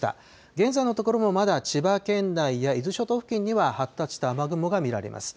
現在の所もまだ、千葉県内や伊豆諸島付近には発達した雨雲が見られます。